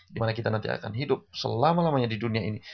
dimana kita nanti akan hidup selama lamanya di dunia ini